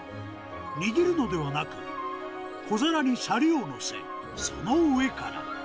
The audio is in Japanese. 握るのではなく、小皿にシャリを載せ、その上から。